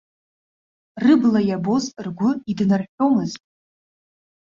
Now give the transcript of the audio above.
Рыбла иабоз ргәы иднарҳәомызт.